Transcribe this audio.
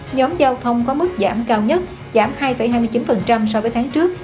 nhóm giao thông có mức giảm cao nhất giảm hai hai mươi chín so với tháng trước